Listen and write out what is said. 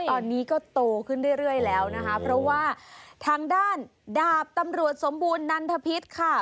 ตอนนี้ก็โตขึ้นเรื่อยแล้วนะคะเพราะว่าทางด้านดาบตำรวจสมบูรณันทพิษค่ะ